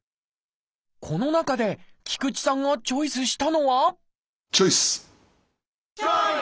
この中で菊池さんがチョイスしたのはチョイス！